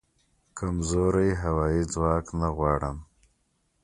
کمزوری هوایې ځواک نه غواړم